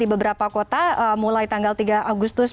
di beberapa kota mulai tanggal tiga agustus